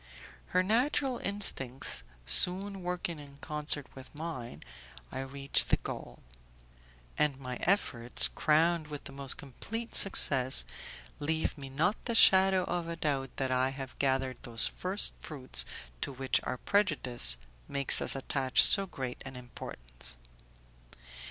Her natural instincts soon working in concert with mine, I reach the goal; and my efforts, crowned with the most complete success, leave me not the shadow of a doubt that I have gathered those first fruits to which our prejudice makes us attach so great an importance.